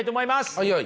はいはい。